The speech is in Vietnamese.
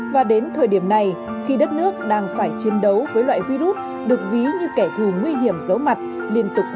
và đến thời điểm này khi đất nước đang phải chiến đấu với loại virus được ví như kẻ thù nguy hiểm giấu mặt liên tục